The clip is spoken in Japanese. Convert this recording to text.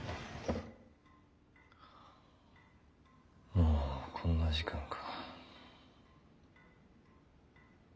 もうこんな時間か。